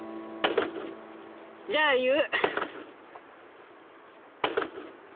じゃあ言う。